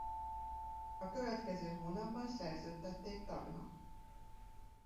A következő hónapban szerződtették tagnak.